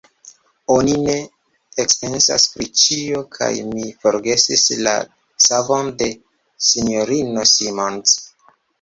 Oni ne ekpensas pri ĉio, kaj mi forgesis la savon de S-ino Simons.